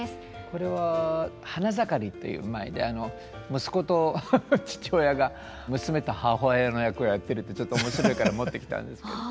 これは「花ざかり」という舞で息子と父親が娘と母親の役をやってるってちょっと面白いから持ってきたんですけど。